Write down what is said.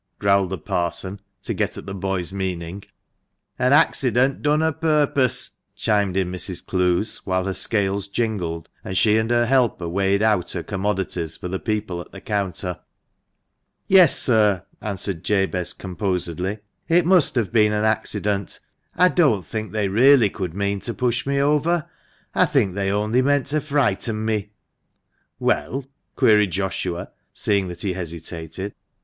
growled the parson, to get at the boy's meaning. "An accident done a purpose," chimed in Mrs. Clowes, whilst her scales jingled, and she and her helper weighed out her commodities for the people at the counter. "Yes, sir," answered Jabez, composedly: "it must have been an accident. I don't think they really could mean to push me over. I think they only meant to frighten me "" Well ?" queried Joshua, seeing that he hesitated.